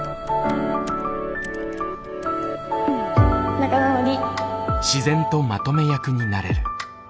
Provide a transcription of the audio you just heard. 仲直り。